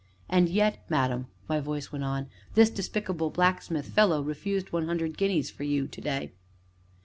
"And yet, madam," my voice went on, "this despicable blacksmith fellow refused one hundred guineas for you to day."